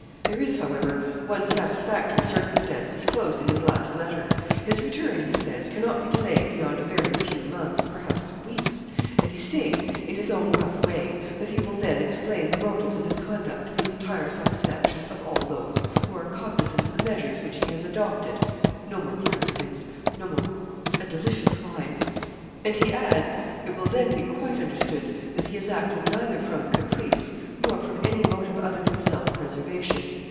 There is, however, one satisfactory circumstance disclosed in his last letter. His return, he says, cannot be delayed beyond a very few months, perhaps weeks; and he states, in his own rough way, that he will then explain the motives of his conduct to the entire satisfaction of all those who are cognizant of the measures which he has adopted no more claret, thanks no more a delicious wine and he adds, it will then be quite understood that he has acted neither from caprice, nor from any motive other than self preservation.